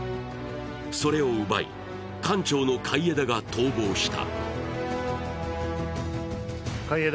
それを奪い、艦長の海江田が逃亡した。